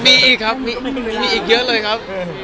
มีอีกครับมีอีกเยอะเลยครับ